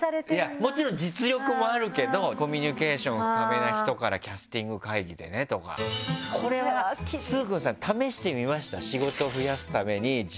もちろん実力もあるけどコミュニケーション深めな人からキャスティング会議でねとかこれは。ありますよね頑張ってみる期間。